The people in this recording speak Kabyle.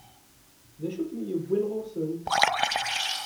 D acu i k-yewwin ɣur-sent?